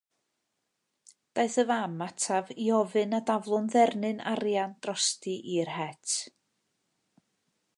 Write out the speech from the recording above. Daeth y fam ataf i ofyn a daflwn ddernyn arian drosti i'r het.